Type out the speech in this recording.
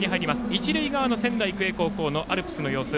一塁側の仙台育英高校のアルプスの様子